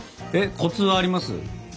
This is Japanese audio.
コツはあります？